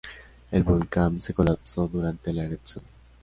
El volcán se colapsó durante la erupción.